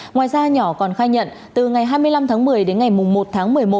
ngoài ra nhỏ còn khai nhận từ ngày hai mươi năm tháng một mươi đến ngày một tháng một mươi một